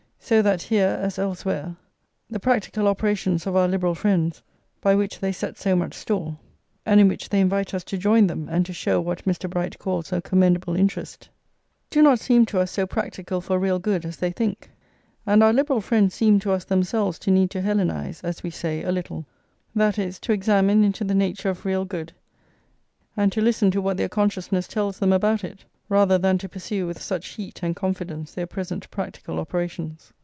So that, here as elsewhere, the practical operations of our Liberal friends, by which they set so much store, and in which they invite us to join them and to show what Mr. Bright calls a commendable interest, do not seem to us so practical for real good as they think; and our Liberal friends seem to us themselves to need to Hellenise, as we say, a little, that is, to examine into the nature of real good, and to listen to what their consciousness tells them about it, rather than to pursue with such heat and confidence their present practical operations.